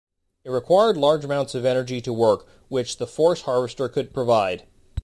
It required large amounts of energy to work, which the Force Harvester could provide.